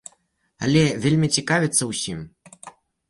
Але вельмі цікавіцца ўсім.